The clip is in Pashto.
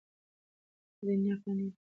دا دنیا فاني ده.